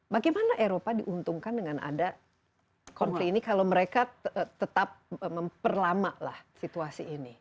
bagaimana eropa diuntungkan dengan ada konflik ini kalau mereka tetap memperlamalah situasi ini